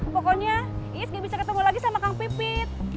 pokoknya iis gak bisa ketemu lagi sama kang pipit